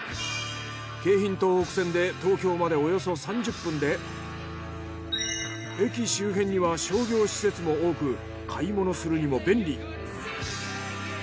京浜東北線で東京までおよそ３０分で駅周辺には商業施設も多く買い物するにも便利。